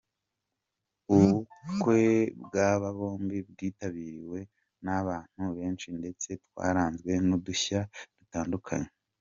Ubukwe bw’aba bombi bwitabiriwe n’abantu benshi ndetse twaranzwe n’udushya dutandukanye.